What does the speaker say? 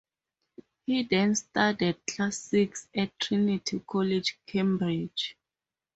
He then studied Classics at Trinity College, Cambridge.